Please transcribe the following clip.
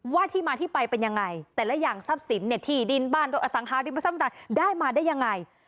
ว่าที่มาที่ไปเป็นยังไงแต่ละอย่างทรัพย์สินเนี่ยที่ดินบ้านอสังฆาติดินประสัมภาษณ์ได้มาได้ยังไง